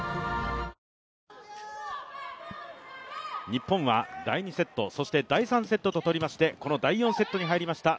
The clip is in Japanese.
日本は第２セット、そして第３セットと取りましてこの第４セットに入りました。